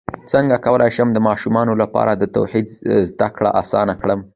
څنګه کولی شم د ماشومانو لپاره د توحید زدکړه اسانه کړم